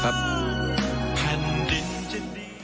แผ่นดินจะดี